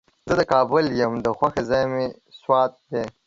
زه د کابل یم، د خوښې ځای مې سوات دی.